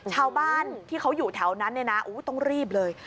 ชาวบ้านที่เขาอยู่แถวนั้นเนี่ยนะต้องรีบเลย